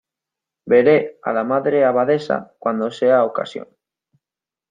veré a la Madre Abadesa cuando sea ocasión.